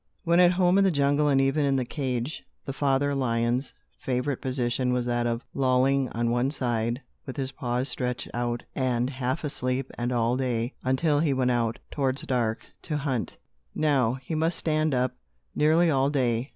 When at home in the jungle and even in the cage, the father lion's favorite position was that of lolling on one side, with his paws stretched out, and half asleep and all day, until he went out, towards dark, to hunt. Now, he must stand up, nearly all day.